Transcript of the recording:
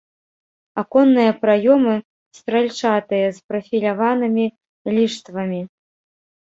Аконныя праёмы стральчатыя з прафіляванымі ліштвамі.